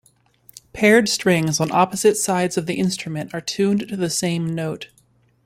Paired strings on opposite sides of the instrument are tuned to the same note.